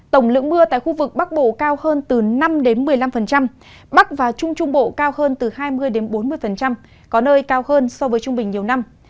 tổng lượng mưa tại khu vực bắc bộ cao hơn từ năm một mươi năm bắc và trung trung bộ cao hơn từ hai mươi bốn mươi có nơi cao hơn so với trung bình nhiều năm